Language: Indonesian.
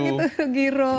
sekarang itu giro